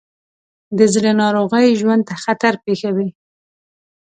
د زړه ناروغۍ ژوند ته خطر پېښوي.